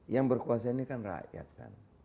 yang berkuasa ini kan rakyat kan